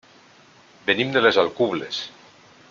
Venim de les Alcubles.